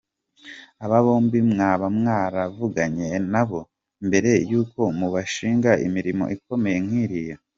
Aba bombi mwaba mwaravuganye na bo, mbere y’uko mubashinga imirimo ikomeye nk’iriya?